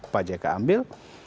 pak jk ambil